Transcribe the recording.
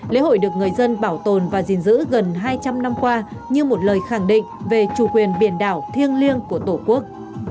lễ hội được người dân bảo tồn và gìn giữ gần hai trăm linh năm qua như một lời khẳng định về chủ quyền biển đảo thiêng liêng của tổ quốc